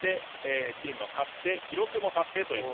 チームも勝って記録も達成という。